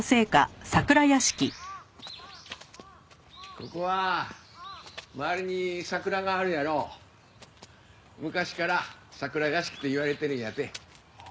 ここは周りに桜があるやろ昔から桜屋敷っていわれてるんやて。